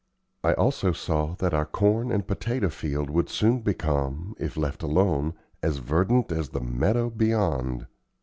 I also saw that our corn and potato field would soon become, if left alone, as verdant as the meadow beyond.